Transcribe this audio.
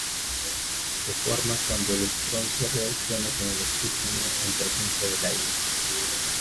Se forma cuando el estroncio reacciona con el oxígeno en presencia de aire.